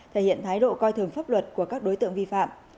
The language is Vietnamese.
thể hiện thái độ coi thường pháp luật của các đối tượng vi phạm